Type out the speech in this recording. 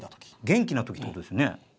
元気な時ってことですよね。